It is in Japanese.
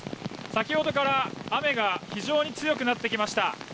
先ほどから雨が非常に強くなってきました。